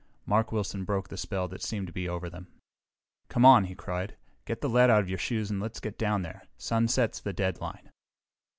Mark Wilson broke the spell that seemed to be over them. "Come on!" he cried. "Get the lead out of your shoes and let's get down there! Sunset's the deadline!"